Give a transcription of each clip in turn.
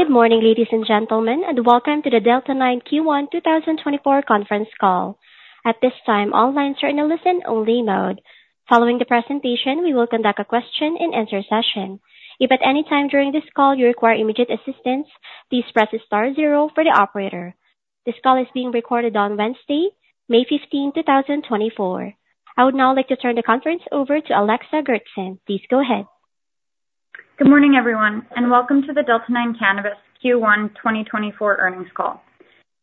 Good morning, ladies and gentlemen, and welcome to the Delta 9 Q1 2024 Conference Call. At this time, all lines are in a listen-only mode. Following the presentation, we will conduct a question-and-answer session. If at any time during this call you require immediate assistance, please press star zero for the operator. This call is being recorded on Wednesday, May 15, 2024. I would now like to turn the conference over to Alexa Goertzen. Please go ahead. Good morning, everyone, and welcome to the Delta 9 Cannabis Q1 2024 Earnings Call.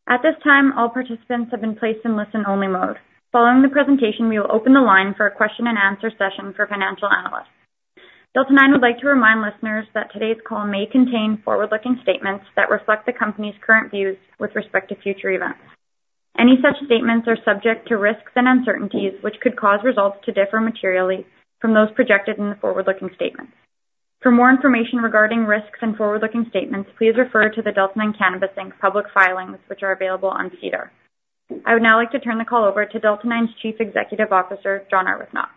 At this time, all participants have been placed in listen-only mode. Following the presentation, we will open the line for a question-and-answer session for financial analysts. Delta 9 would like to remind listeners that today's call may contain forward-looking statements that reflect the company's current views with respect to future events. Any such statements are subject to risks and uncertainties, which could cause results to differ materially from those projected in the forward-looking statements. For more information regarding risks and forward-looking statements, please refer to the Delta 9 Cannabis Inc. public filings, which are available on SEDAR. I would now like to turn the call over to Delta 9's Chief Executive Officer, John Arbuthnot.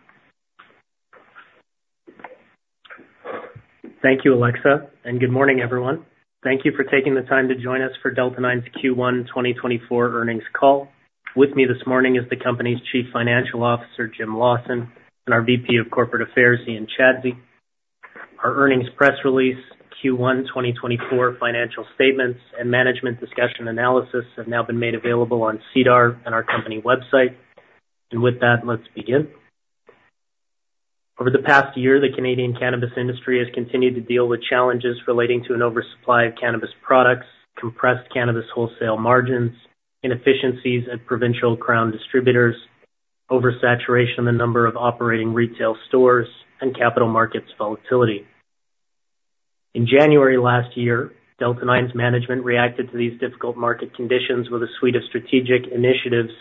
Thank you, Alexa, and good morning, everyone. Thank you for taking the time to join us for Delta 9's Q1 2024 earnings call. With me this morning is the company's Chief Financial Officer, Jim Lawson, and our VP of Corporate Affairs, Ian Chadsey. Our earnings press release Q1 2024 financial statements and management discussion analysis have now been made available on SEDAR and our company website. And with that, let's begin. Over the past year, the Canadian cannabis industry has continued to deal with challenges relating to an oversupply of cannabis products, compressed cannabis wholesale margins, inefficiencies at provincial crown distributors, oversaturation in the number of operating retail stores, and capital markets volatility. In January last year, Delta 9's management reacted to these difficult market conditions with a suite of strategic initiatives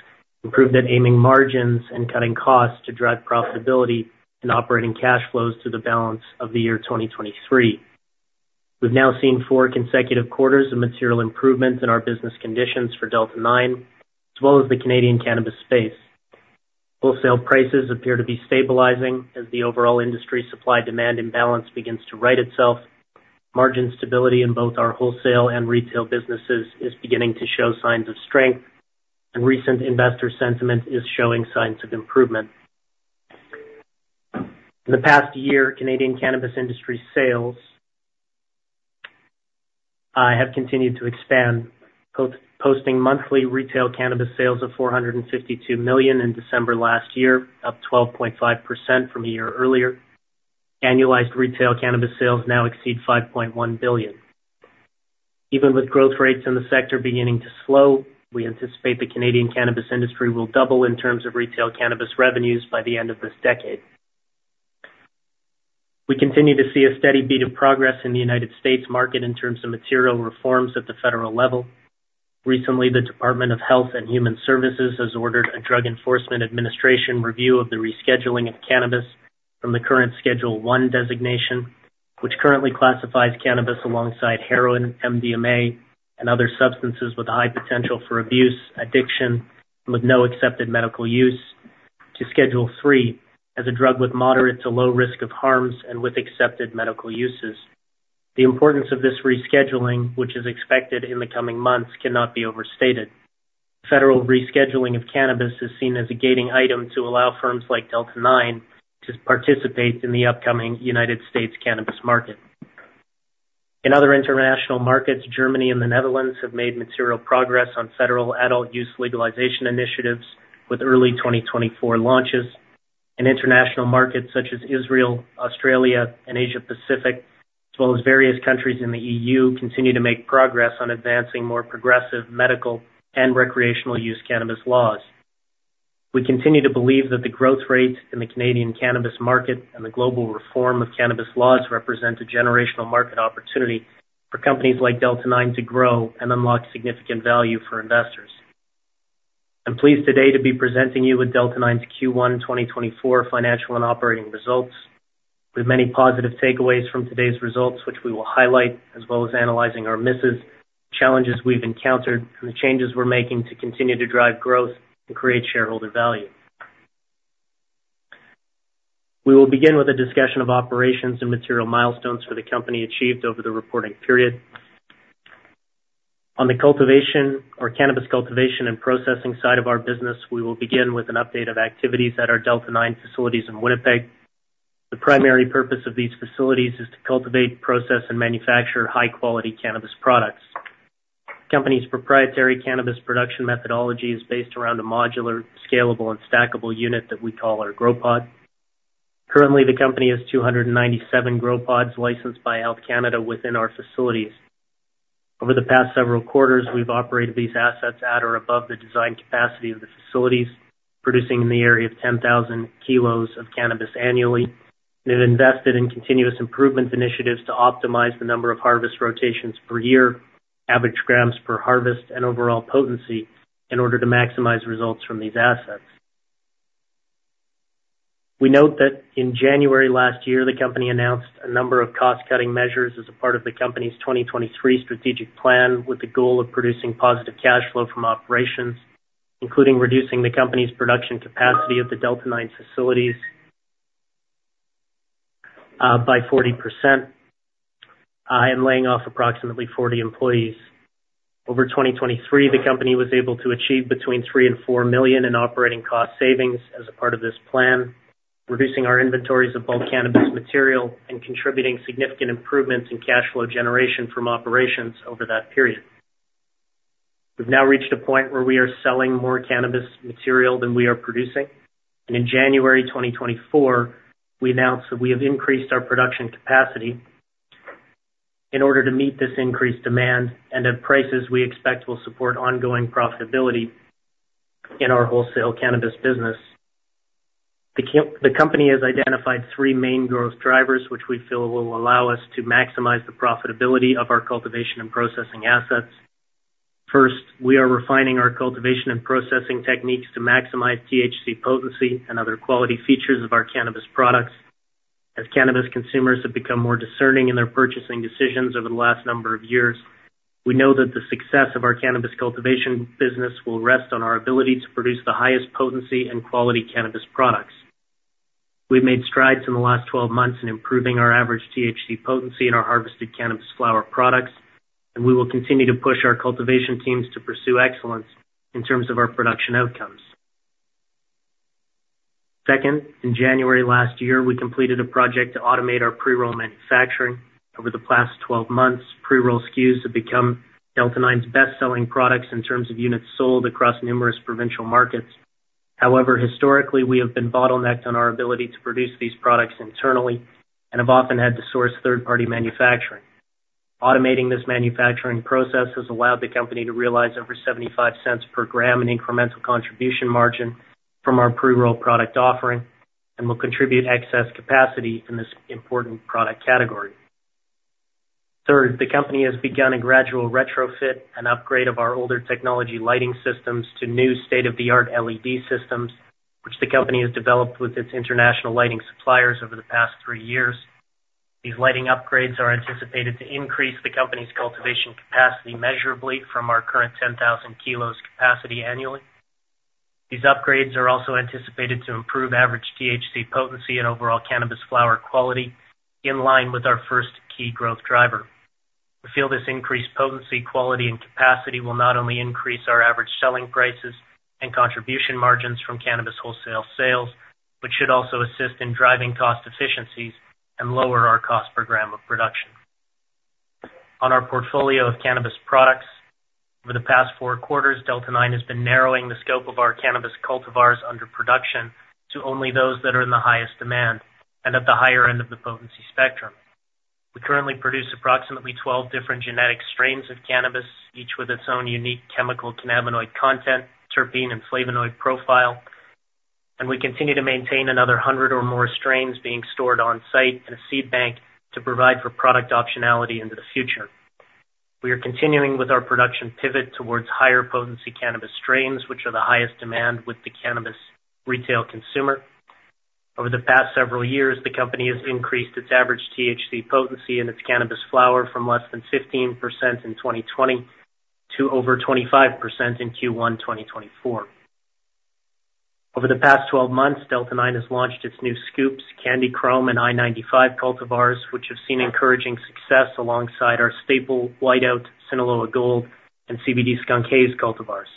aimed at improving margins and cutting costs to drive profitability and operating cash flows to the balance of the year 2023. We've now seen four consecutive quarters of material improvements in our business conditions for Delta 9, as well as the Canadian cannabis space. Wholesale prices appear to be stabilizing as the overall industry supply-demand imbalance begins to right itself. Margin stability in both our wholesale and retail businesses is beginning to show signs of strength, and recent investor sentiment is showing signs of improvement. In the past year, Canadian cannabis industry sales have continued to expand, posting monthly retail cannabis sales of 452 million in December last year, up 12.5% from a year earlier. Annualized retail cannabis sales now exceed 5.1 billion. Even with growth rates in the sector beginning to slow, we anticipate the Canadian cannabis industry will double in terms of retail cannabis revenues by the end of this decade. We continue to see a steady beat of progress in the United States market in terms of material reforms at the federal level. Recently, the Department of Health and Human Services has ordered a Drug Enforcement Administration review of the rescheduling of cannabis from the current Schedule I designation, which currently classifies cannabis alongside heroin, MDMA, and other substances with a high potential for abuse, addiction, and with no accepted medical use to Schedule III as a drug with moderate to low risk of harms and with accepted medical uses. The importance of this rescheduling, which is expected in the coming months, cannot be overstated. Federal rescheduling of cannabis is seen as a gating item to allow firms like Delta 9 to participate in the upcoming United States cannabis market. In other international markets, Germany and the Netherlands have made material progress on federal adult-use legalization initiatives with early 2024 launches. In international markets such as Israel, Australia, and Asia Pacific, as well as various countries in the EU, continue to make progress on advancing more progressive medical and recreational use cannabis laws. We continue to believe that the growth rate in the Canadian cannabis market and the global reform of cannabis laws represent a generational market opportunity for companies like Delta 9 to grow and unlock significant value for investors. I'm pleased today to be presenting you with Delta 9's Q1 2024 financial and operating results. We have many positive takeaways from today's results, which we will highlight, as well as analyzing our misses, challenges we've encountered, and the changes we're making to continue to drive growth and create shareholder value. We will begin with a discussion of operations and material milestones for the company achieved over the reporting period. On the cultivation or cannabis cultivation and processing side of our business, we will begin with an update of activities at our Delta 9 facilities in Winnipeg. The primary purpose of these facilities is to cultivate, process, and manufacture high-quality cannabis products. Company's proprietary cannabis production methodology is based around a modular, scalable, and stackable unit that we call our GrowPod. Currently, the company has 297 GrowPods licensed by Health Canada within our facilities. Over the past several quarters, we've operated these assets at or above the design capacity of the facilities, producing in the area of 10,000 kilos of cannabis annually, and have invested in continuous improvement initiatives to optimize the number of harvest rotations per year, average grams per harvest, and overall potency in order to maximize results from these assets. We note that in January last year, the company announced a number of cost-cutting measures as a part of the company's 2023 strategic plan, with the goal of producing positive cash flow from operations, including reducing the company's production capacity of the Delta 9 facilities by 40%, and laying off approximately 40 employees. Over 2023, the company was able to achieve between 3 million and 4 million in operating cost savings as a part of this plan, reducing our inventories of bulk cannabis material and contributing significant improvements in cash flow generation from operations over that period. We've now reached a point where we are selling more cannabis material than we are producing, and in January 2024, we announced that we have increased our production capacity in order to meet this increased demand and at prices we expect will support ongoing profitability in our wholesale cannabis business. The company has identified three main growth drivers, which we feel will allow us to maximize the profitability of our cultivation and processing assets. First, we are refining our cultivation and processing techniques to maximize THC potency and other quality features of our cannabis products. As cannabis consumers have become more discerning in their purchasing decisions over the last number of years, we know that the success of our cannabis cultivation business will rest on our ability to produce the highest potency and quality cannabis products. We've made strides in the last 12 months in improving our average THC potency in our harvested cannabis flower products, and we will continue to push our cultivation teams to pursue excellence in terms of our production outcomes. Second, in January last year, we completed a project to automate our pre-roll manufacturing. Over the past 12 months, pre-roll SKUs have become Delta 9's best-selling products in terms of units sold across numerous provincial markets. However, historically, we have been bottlenecked on our ability to produce these products internally and have often had to source third-party manufacturing. Automating this manufacturing process has allowed the company to realize over 0.75 per gram in incremental contribution margin from our pre-roll product offering and will contribute excess capacity in this important product category. Third, the company has begun a gradual retrofit and upgrade of our older technology lighting systems to new state-of-the-art LED systems, which the company has developed with its international lighting suppliers over the past three years. These lighting upgrades are anticipated to increase the company's cultivation capacity measurably from our current 10,000 kilos capacity annually. These upgrades are also anticipated to improve average THC potency and overall cannabis flower quality, in line with our first key growth driver. We feel this increased potency, quality, and capacity will not only increase our average selling prices and contribution margins from cannabis wholesale sales, but should also assist in driving cost efficiencies and lower our cost per gram of production. On our portfolio of cannabis products, over the past four quarters, Delta 9 has been narrowing the scope of our cannabis cultivars under production to only those that are in the highest demand and at the higher end of the potency spectrum. We currently produce approximately 12 different genetic strains of cannabis, each with its own unique chemical cannabinoid content, terpene, and flavonoid profile, and we continue to maintain another 100 or more strains being stored on-site in a seed bank to provide for product optionality into the future. We are continuing with our production pivot towards higher potency cannabis strains, which are the highest demand with the cannabis retail consumer. Over the past several years, the company has increased its average THC potency in its cannabis flower from less than 15% in 2020 to over 25% in Q1 2024. Over the past 12 months, Delta 9 has launched its new Scoops, Candy Chrome, and I-95 cultivars, which have seen encouraging success alongside our staple, White Out, Sinaloa Gold, and CBD Skunk Haze cultivars.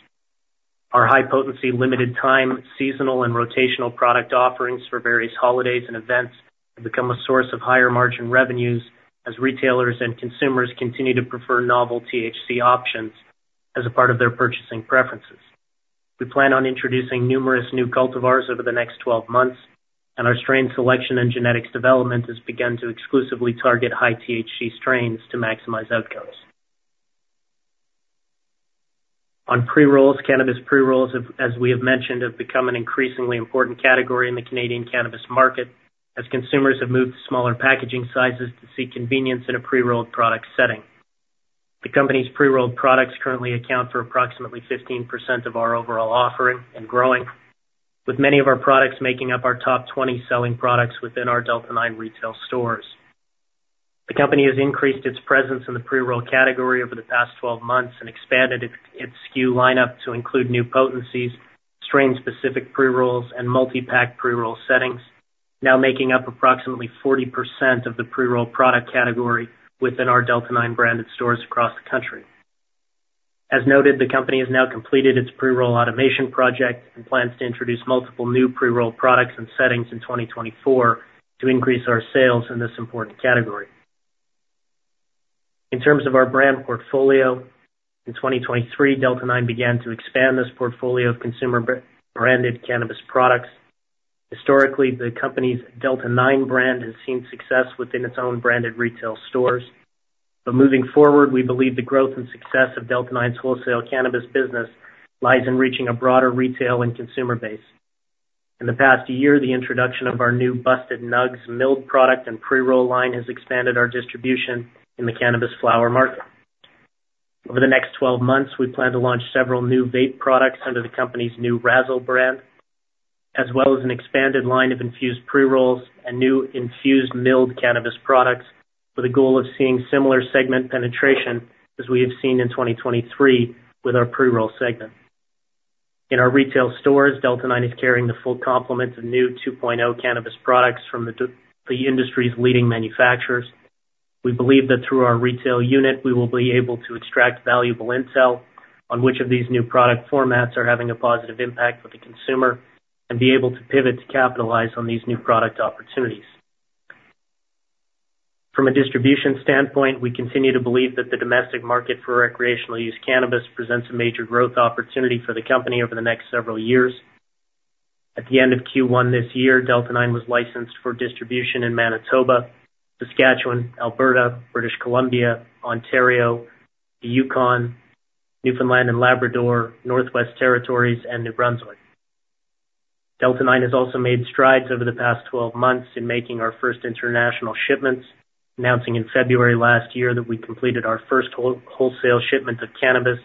Our high-potency, limited-time, seasonal, and rotational product offerings for various holidays and events have become a source of higher-margin revenues as retailers and consumers continue to prefer novel THC options as a part of their purchasing preferences. We plan on introducing numerous new cultivars over the next 12 months, and our strain selection and genetics development has begun to exclusively target high-THC strains to maximize outcomes. On pre-rolls, cannabis pre-rolls, as we have mentioned, have become an increasingly important category in the Canadian cannabis market, as consumers have moved to smaller packaging sizes to seek convenience in a pre-rolled product setting. The company's pre-rolled products currently account for approximately 15% of our overall offering and growing, with many of our products making up our top 20 selling products within our Delta 9 retail stores. The company has increased its presence in the pre-roll category over the past 12 months and expanded its SKU lineup to include new potencies, strain-specific pre-rolls, and multi-pack pre-roll settings, now making up approximately 40% of the pre-roll product category within our Delta 9 branded stores across the country. As noted, the company has now completed its pre-roll automation project and plans to introduce multiple new pre-roll products and settings in 2024 to increase our sales in this important category. In terms of our brand portfolio, in 2023, Delta 9 began to expand this portfolio of consumer branded cannabis products. Historically, the company's Delta 9 brand has seen success within its own branded retail stores, but moving forward, we believe the growth and success of Delta 9's wholesale cannabis business lies in reaching a broader retail and consumer base. In the past year, the introduction of our new Busted Nugs milled product and pre-roll line has expanded our distribution in the cannabis flower market. Over the next 12 months, we plan to launch several new vape products under the company's new Razzle brand, as well as an expanded line of infused pre-rolls and new infused milled cannabis products, with a goal of seeing similar segment penetration as we have seen in 2023 with our pre-roll segment. In our retail stores, Delta 9 is carrying the full complement of new 2.0 cannabis products from the industry's leading manufacturers. We believe that through our retail unit, we will be able to extract valuable intel on which of these new product formats are having a positive impact with the consumer and be able to pivot to capitalize on these new product opportunities. From a distribution standpoint, we continue to believe that the domestic market for recreational use cannabis presents a major growth opportunity for the company over the next several years. At the end of Q1 this year, Delta 9 was licensed for distribution in Manitoba, Saskatchewan, Alberta, British Columbia, Ontario, the Yukon, Newfoundland and Labrador, Northwest Territories, and New Brunswick. Delta 9 has also made strides over the past 12 months in making our first international shipments, announcing in February last year that we completed our first wholesale shipment of cannabis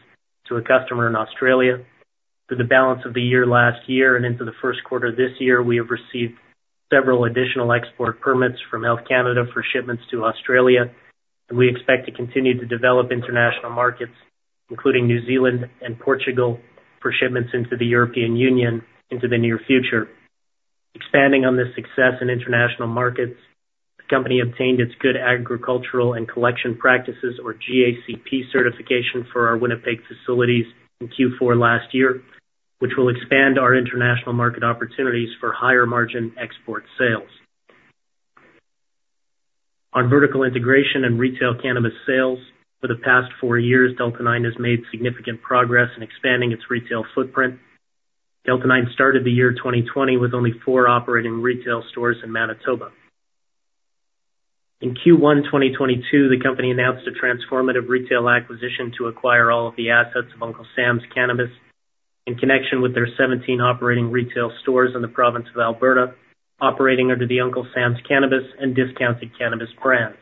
to a customer in Australia. Through the balance of the year last year and into the first quarter this year, we have received several additional export permits from Health Canada for shipments to Australia, and we expect to continue to develop international markets, including New Zealand and Portugal, for shipments into the European Union into the near future. Expanding on this success in international markets, the company obtained its Good Agricultural and Collection Practices, or GACP certification for our Winnipeg facilities in Q4 last year, which will expand our international market opportunities for higher-margin export sales. On vertical integration and retail cannabis sales, for the past four years, Delta 9 has made significant progress in expanding its retail footprint. Delta 9 started the year 2020 with only four operating retail stores in Manitoba. In Q1 2022, the company announced a transformative retail acquisition to acquire all of the assets of Uncle Sam's Cannabis in connection with their 17 operating retail stores in the province of Alberta, operating under the Uncle Sam's Cannabis and Discounted Cannabis brands.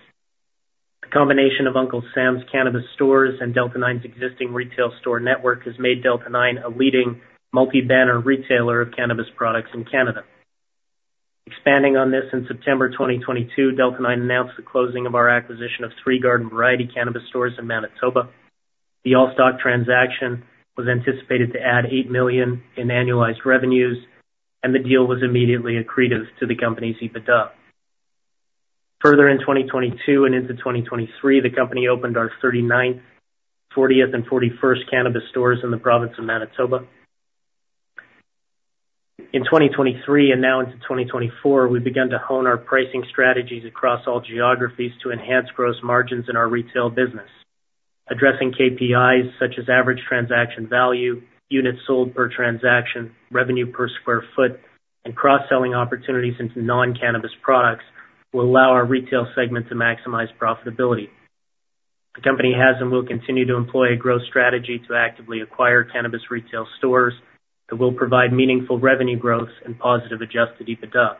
The combination of Uncle Sam's Cannabis stores and Delta 9's existing retail store network has made Delta 9 a leading multi-banner retailer of cannabis products in Canada. Expanding on this, in September 2022, Delta 9 announced the closing of our acquisition of three Garden Variety cannabis stores in Manitoba. The all-stock transaction was anticipated to add 8 million in annualized revenues, and the deal was immediately accretive to the company's EBITDA. Further, in 2022 and into 2023, the company opened our thirty-ninth, fortieth, and forty-first cannabis stores in the province of Manitoba. In 2023 and now into 2024, we've begun to hone our pricing strategies across all geographies to enhance gross margins in our retail business. Addressing KPIs, such as average transaction value, units sold per transaction, revenue per square foot, and cross-selling opportunities into non-cannabis products, will allow our retail segment to maximize profitability. The company has and will continue to employ a growth strategy to actively acquire cannabis retail stores that will provide meaningful revenue growth and positive adjusted EBITDA.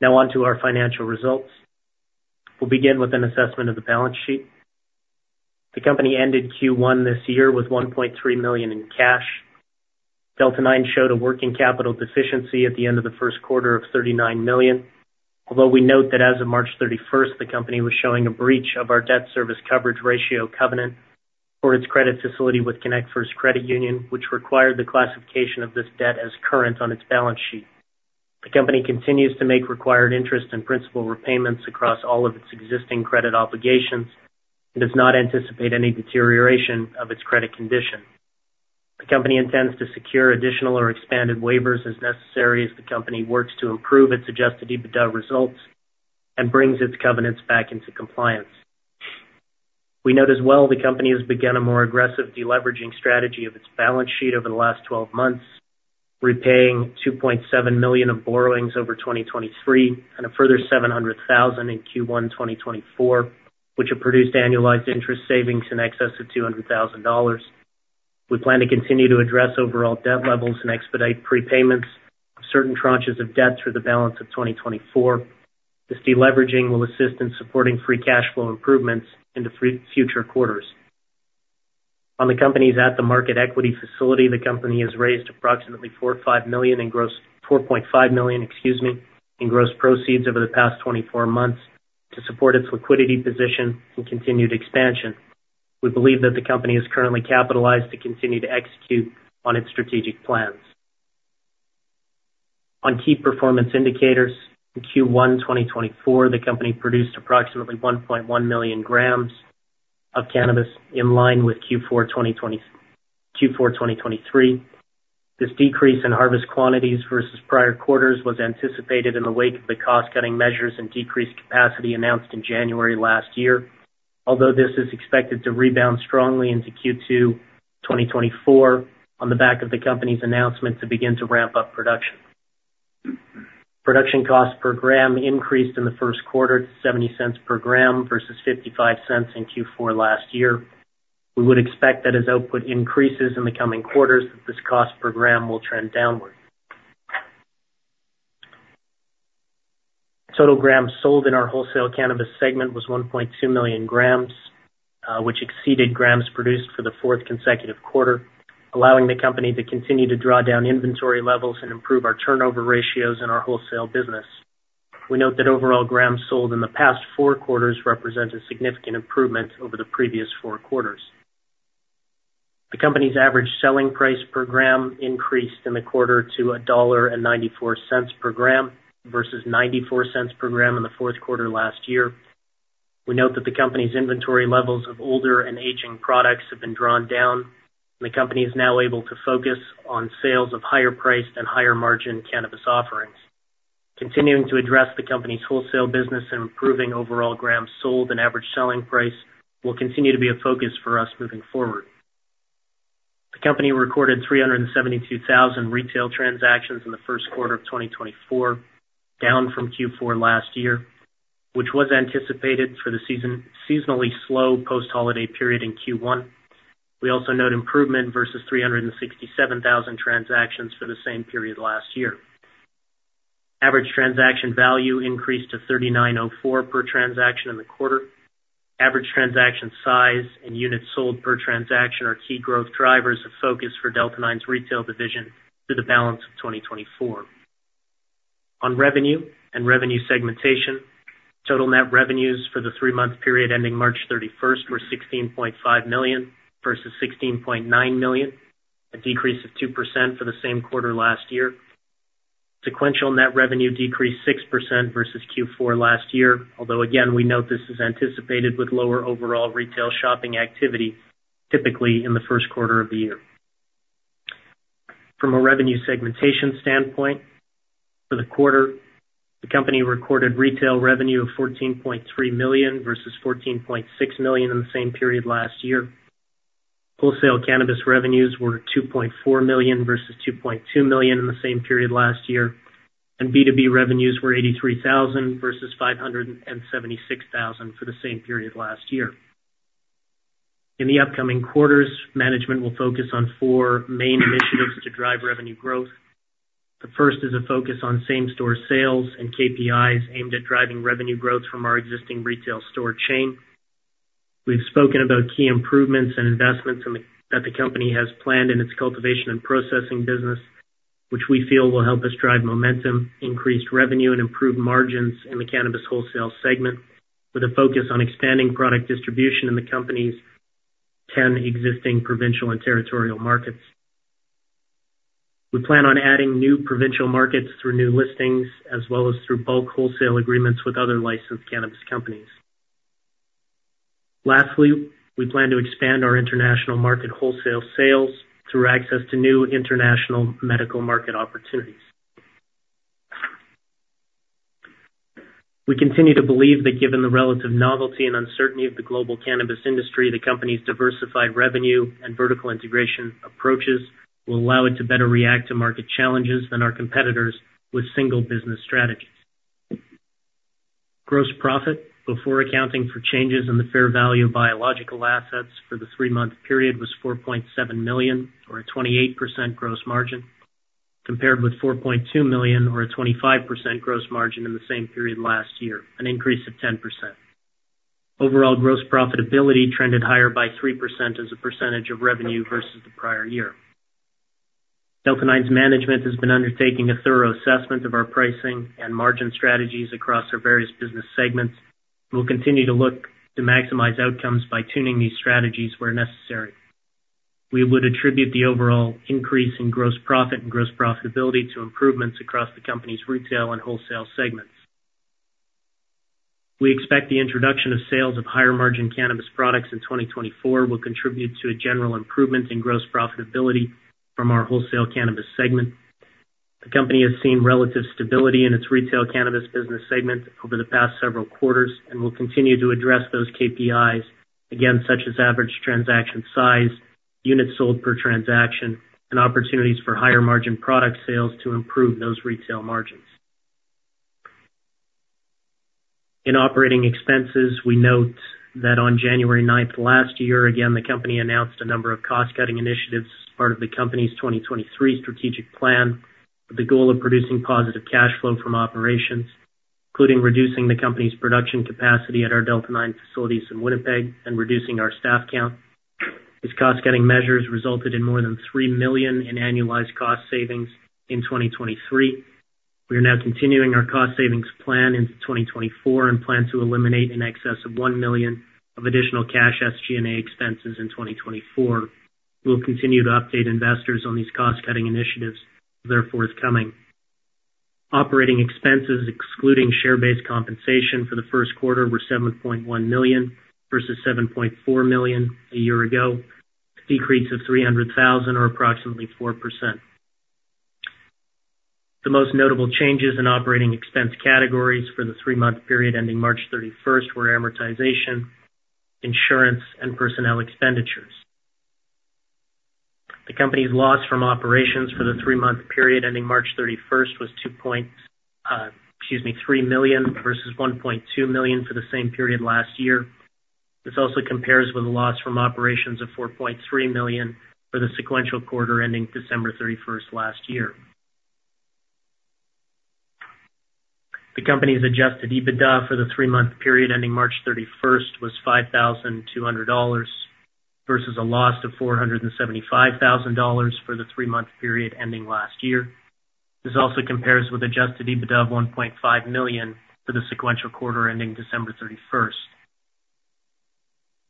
Now on to our financial results. We'll begin with an assessment of the balance sheet. The company ended Q1 this year with 1.3 million in cash. Delta 9 showed a working capital deficiency at the end of the first quarter of 39 million, although we note that as of March 31st, the company was showing a breach of our debt service coverage ratio covenant for its credit facility with connectFirst Credit Union, which required the classification of this debt as current on its balance sheet. The company continues to make required interest and principal repayments across all of its existing credit obligations and does not anticipate any deterioration of its credit condition. The company intends to secure additional or expanded waivers as necessary as the company works to improve its Adjusted EBITDA results and brings its covenants back into compliance. We note as well, the company has begun a more aggressive deleveraging strategy of its balance sheet over the last 12 months, repaying 2.7 million of borrowings over 2023 and a further 0.7 million in Q1 2024, which have produced annualized interest savings in excess of 0.2 million dollars. We plan to continue to address overall debt levels and expedite prepayments of certain tranches of debt through the balance of 2024. This deleveraging will assist in supporting free cash flow improvements into future quarters. On the company's at-the-market equity facility, the company has raised approximately four point five million, excuse me, in gross proceeds over the past 24 months to support its liquidity position and continued expansion. We believe that the company is currently capitalized to continue to execute on its strategic plans. On key performance indicators, in Q1, 2024, the company produced approximately 1.1 million grams of cannabis, in line with Q4, 2023. This decrease in harvest quantities versus prior quarters was anticipated in the wake of the cost-cutting measures and decreased capacity announced in January last year, although this is expected to rebound strongly into Q2, 2024, on the back of the company's announcement to begin to ramp up production. Production cost per gram increased in the first quarter to 0.70 per gram versus 0.55 in Q4 last year. We would expect that as output increases in the coming quarters, this cost per gram will trend downward. Total grams sold in our wholesale cannabis segment was 1.2 million grams, which exceeded grams produced for the fourth consecutive quarter, allowing the company to continue to draw down inventory levels and improve our turnover ratios in our wholesale business. We note that overall grams sold in the past four quarters represent a significant improvement over the previous four quarters. The company's average selling price per gram increased in the quarter to 1.94 dollar per gram, versus 0.94 per gram in the fourth quarter last year. We note that the company's inventory levels of older and aging products have been drawn down, and the company is now able to focus on sales of higher-priced and higher-margin cannabis offerings. Continuing to address the company's wholesale business and improving overall grams sold and average selling price will continue to be a focus for us moving forward. The company recorded 0.372 million retail transactions in the first quarter of 2024, down from Q4 2023, which was anticipated for the seasonally slow post-holiday period in Q1. We also note improvement versus 0.367 million transactions for the same period last year. Average transaction value increased to 39.04 per transaction in the quarter. Average transaction size and units sold per transaction are key growth drivers of focus for Delta 9's retail division through the balance of 2024. On revenue and revenue segmentation, total net revenues for the three-month period ending March 31st were 16.5 million, versus 16.9 million, a decrease of 2% for the same quarter last year. Sequential net revenue decreased 6% versus Q4 last year, although again, we note this is anticipated with lower overall retail shopping activity, typically in the first quarter of the year. From a revenue segmentation standpoint, for the quarter, the company recorded retail revenue of 14.3 million, versus 14.6 million in the same period last year. Wholesale cannabis revenues were 2.4 million, versus 2.2 million in the same period last year, and B2B revenues were 83,000, versus 0.576 million for the same period last year. In the upcoming quarters, management will focus on four main initiatives to drive revenue growth. The first is a focus on same-store sales and KPIs aimed at driving revenue growth from our existing retail store chain. We've spoken about key improvements and investments that the company has planned in its cultivation and processing business, which we feel will help us drive momentum, increased revenue, and improved margins in the cannabis wholesale segment, with a focus on expanding product distribution in the company's 10 existing provincial and territorial markets. We plan on adding new provincial markets through new listings, as well as through bulk wholesale agreements with other licensed cannabis companies. Lastly, we plan to expand our international market wholesale sales through access to new international medical market opportunities. We continue to believe that given the relative novelty and uncertainty of the global cannabis industry, the company's diversified revenue and vertical integration approaches will allow it to better react to market challenges than our competitors with single business strategies. Gross profit, before accounting for changes in the fair value of biological assets for the three-month period, was 4.7 million, or a 28% gross margin, compared with 4.2 million or a 25% gross margin in the same period last year, an increase of 10%. Overall, gross profitability trended higher by 3% as a percentage of revenue versus the prior year. Delta 9's management has been undertaking a thorough assessment of our pricing and margin strategies across our various business segments. We'll continue to look to maximize outcomes by tuning these strategies where necessary. We would attribute the overall increase in gross profit and gross profitability to improvements across the company's retail and wholesale segments. We expect the introduction of sales of higher-margin cannabis products in 2024 will contribute to a general improvement in gross profitability from our wholesale cannabis segment. The company has seen relative stability in its retail cannabis business segment over the past several quarters and will continue to address those KPIs, again, such as average transaction size, units sold per transaction, and opportunities for higher-margin product sales to improve those retail margins. In operating expenses, we note that on January 9 last year, again, the company announced a number of cost-cutting initiatives as part of the company's 2023 strategic plan, with the goal of producing positive cash flow from operations, including reducing the company's production capacity at our Delta 9 facilities in Winnipeg and reducing our staff count. These cost-cutting measures resulted in more than 3 million in annualized cost savings in 2023. We are now continuing our cost savings plan into 2024 and plan to eliminate in excess of 1 million of additional cash SG&A expenses in 2024. We will continue to update investors on these cost-cutting initiatives as they're forthcoming. Operating expenses, excluding share-based compensation for the first quarter, were 7.1 million, versus 7.4 million a year ago, a decrease of 0.3 million or approximately 4%. The most notable changes in operating expense categories for the three-month period ending March 31 were amortization, insurance, and personnel expenditures. The company's loss from operations for the three-month period ending March 31 was two point, excuse me, 3 million, versus 1.2 million for the same period last year. This also compares with a loss from operations of 4.3 million for the sequential quarter ending December thirty-first last year. The company's Adjusted EBITDA for the three-month period ending March thirty-first was 5,200 dollars versus a loss of 0.475 million dollars for the three-month period ending last year. This also compares with Adjusted EBITDA of 1.5 million for the sequential quarter ending December thirty-first.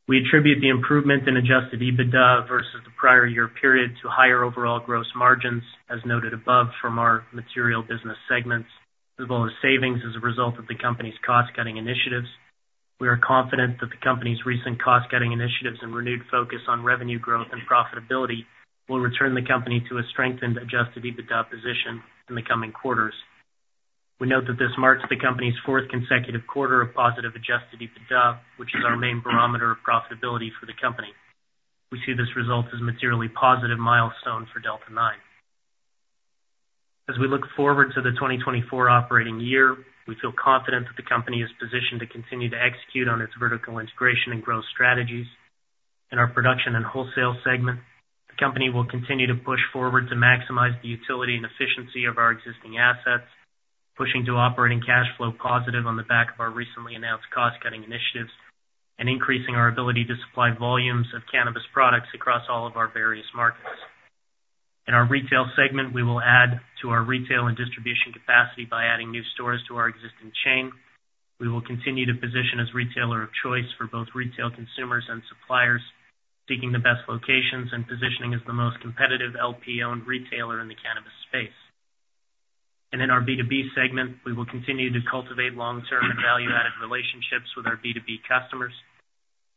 We attribute the improvement in Adjusted EBITDA versus the prior year period to higher overall gross margins, as noted above, from our material business segments, as well as savings as a result of the company's cost-cutting initiatives. We are confident that the company's recent cost-cutting initiatives and renewed focus on revenue growth and profitability will return the company to a strengthened Adjusted EBITDA position in the coming quarters. We note that this marks the company's fourth consecutive quarter of positive Adjusted EBITDA, which is our main barometer of profitability for the company. We see this result as a materially positive milestone for Delta 9. As we look forward to the 2024 operating year, we feel confident that the company is positioned to continue to execute on its vertical integration and growth strategies. In our production and wholesale segment, the company will continue to push forward to maximize the utility and efficiency of our existing assets, pushing to operating cash flow positive on the back of our recently announced cost-cutting initiatives, and increasing our ability to supply volumes of cannabis products across all of our various markets. In our retail segment, we will add to our retail and distribution capacity by adding new stores to our existing chain. We will continue to position as retailer of choice for both retail consumers and suppliers, seeking the best locations and positioning as the most competitive LP-owned retailer in the cannabis space. In our B2B segment, we will continue to cultivate long-term and value-added relationships with our B2B customers,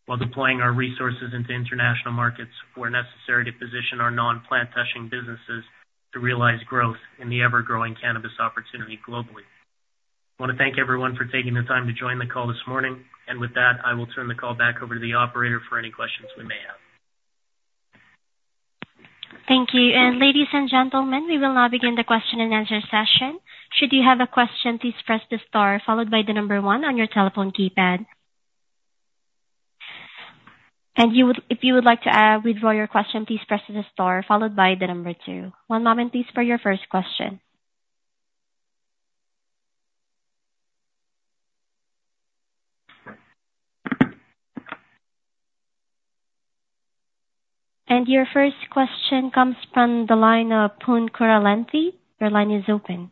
while deploying our resources into international markets where necessary, to position our non-plant touching businesses to realize growth in the ever-growing cannabis opportunity globally. I want to thank everyone for taking the time to join the call this morning. With that, I will turn the call back over to the operator for any questions we may have. Thank you. Ladies and gentlemen, we will now begin the question-and-answer session. Should you have a question, please press the star followed by the number one on your telephone keypad. If you would like to withdraw your question, please press the star followed by the number two. One moment, please, for your first question. Your first question comes from the line of Venkat Poonkural. Your line is open.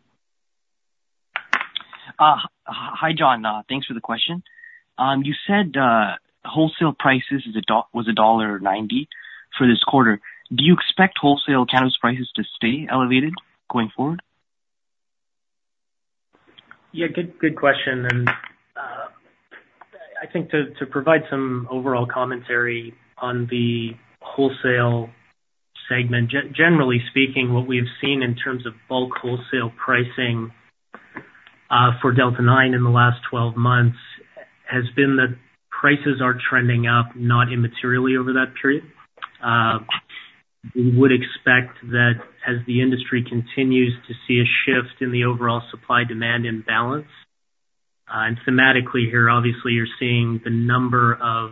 Hi, John. Thanks for the question. You said wholesale prices was a dollar ninety for this quarter. Do you expect wholesale cannabis prices to stay elevated going forward? Yeah, good, good question. And, I think to provide some overall commentary on the wholesale segment, generally speaking, what we have seen in terms of bulk wholesale pricing for Delta 9 in the last 12 months, has been that prices are trending up, not immaterially over that period. We would expect that as the industry continues to see a shift in the overall supply-demand imbalance, and thematically here, obviously, you're seeing the number of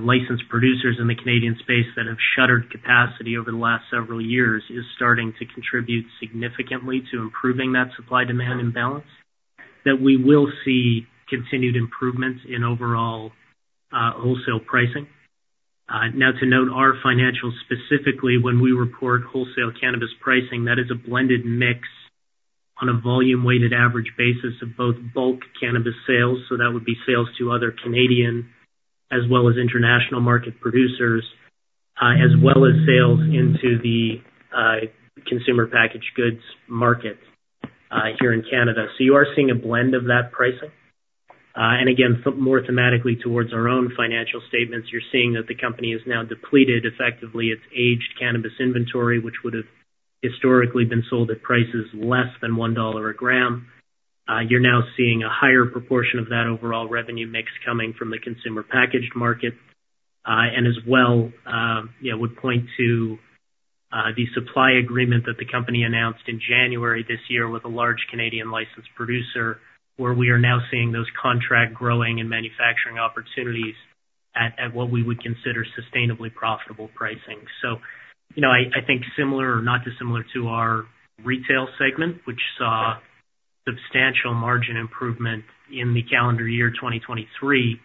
licensed producers in the Canadian space that have shuttered capacity over the last several years, is starting to contribute significantly to improving that supply-demand imbalance, that we will see continued improvements in overall wholesale pricing. Now, to note our financials, specifically, when we report wholesale cannabis pricing, that is a blended mix on a volume-weighted average basis of both bulk cannabis sales, so that would be sales to other Canadian as well as international market producers, as well as sales into the consumer packaged goods market here in Canada. So you are seeing a blend of that pricing. And again, so more thematically towards our own financial statements, you're seeing that the company has now depleted effectively its aged cannabis inventory, which would have historically been sold at prices less than 1 dollar a gram. You're now seeing a higher proportion of that overall revenue mix coming from the consumer packaged market. And as well, would point to the supply agreement that the company announced in January this year with a large Canadian licensed producer, where we are now seeing those contract growing and manufacturing opportunities at what we would consider sustainably profitable pricing. So, you know, I think similar or not dissimilar to our retail segment, which saw substantial margin improvement in the calendar year 2023,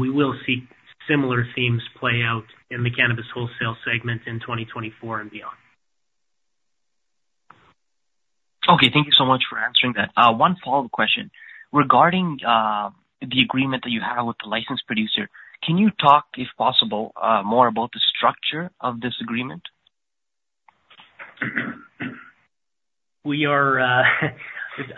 we will see similar themes play out in the cannabis wholesale segment in 2024 and beyond. Okay, thank you so much for answering that. One follow-up question. Regarding the agreement that you have with the licensed producer, can you talk, if possible, more about the structure of this agreement?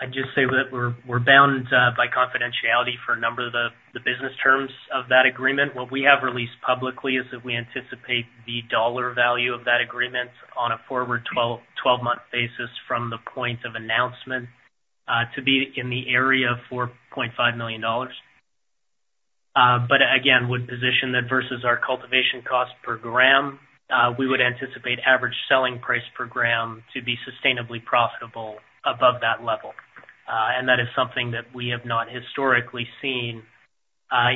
I'd just say that we're bound by confidentiality for a number of the business terms of that agreement. What we have released publicly is that we anticipate the dollar value of that agreement on a forward 12-month basis from the point of announcement to be in the area of 4.5 million dollars. But again, would position that versus our cultivation cost per gram. We would anticipate average selling price per gram to be sustainably profitable above that level. And that is something that we have not historically seen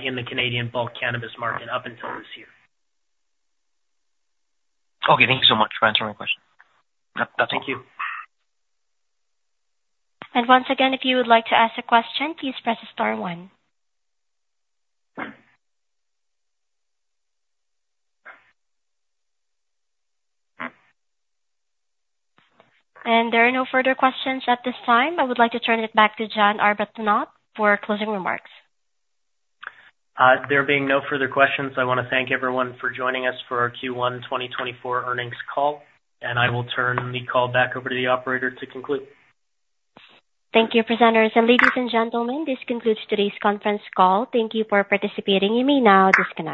in the Canadian bulk cannabis market up until this year. Okay, thank you so much for answering my question. Thank you. Once again, if you would like to ask a question, please press star one. There are no further questions at this time. I would like to turn it back to John Arbuthnot for closing remarks. There being no further questions, I want to thank everyone for joining us for our Q1 2024 earnings call, and I will turn the call back over to the operator to conclude. Thank you, presenters. Ladies and gentlemen, this concludes today's conference call. Thank you for participating. You may now disconnect.